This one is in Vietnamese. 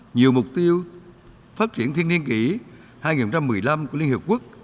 nhiều mục tiêu phát triển thiên niên kỷ hai nghìn một mươi năm của liên hiệp quốc